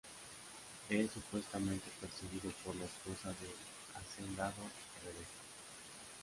Es supuestamente perseguido por la esposa del hacendado, Rebecca.